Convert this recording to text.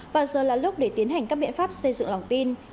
và giờ là lúc để tiến hành các biện pháp xây dựng lòng tin